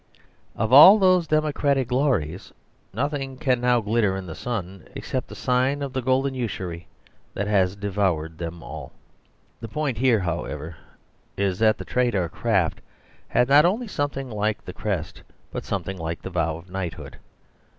Of all those democratic glories nothing can now glitter in the sun ; except the sign of the golden usury that has devoured them all. The point here, however, is that the trade or craft had not only something like the crest, but something like the vow of knighthood.